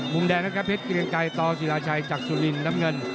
มุมแดงนะครับเพชรเกรียงไกรต่อศิราชัยจากสุรินน้ำเงิน